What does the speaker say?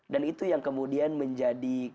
dan itu yang kemudian menjadi